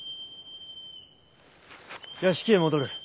・屋敷へ戻る。